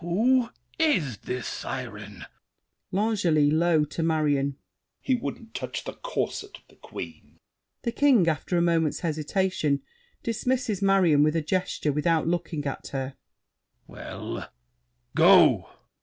Who is this siren? L'ANGELY (low to Marion). He wouldn't touch the corset of the Queen! THE KING (after a moment's hesitation, dismisses Marion with a gesture without looking at her). Well, go!